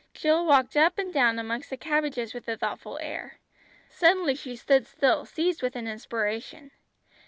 Jill walked up and down amongst the cabbages with a thoughtful air. Suddenly she stood still, seized with an inspiration.